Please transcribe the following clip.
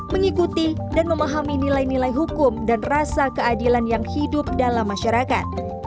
mengikuti dan memahami nilai nilai hukum dan rasa keadilan yang hidup dalam masyarakat